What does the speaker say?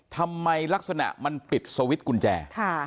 ทำไมลักษณะมันปิดสวิตช์กุญแจ